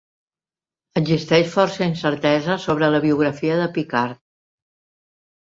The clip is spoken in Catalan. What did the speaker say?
Existeix força incertesa sobre la biografia de Picard.